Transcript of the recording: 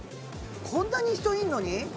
こんなに人いるのに？